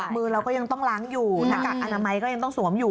มือเราก็ยังต้องล้างอยู่หน้ากากอนามัยก็ยังต้องสวมอยู่